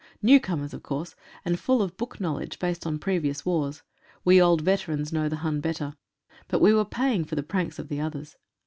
New comers, of course, and full of book knowledge based on previous wars. We old veterans know the Hun better ; but we were paying for the pranks of the others.